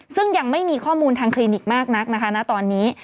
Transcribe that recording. ซึ่งยังไม่มีข้อมูลทางคลินิกมากนักนะคะณตอนนี้